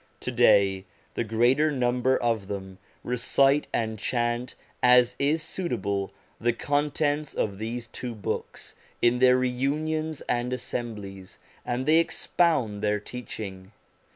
To day the greater number of them recite and chant, as is suitable, the contents of these two Books in their reunions and assemblies, and they expound their teaching.